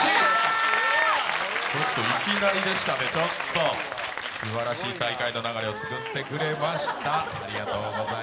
いきなりでしたね、すばらしい大会の流れを作ってくれました。